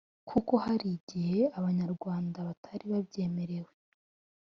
kuko hari igihe Abanyarwanda batari babyemerewe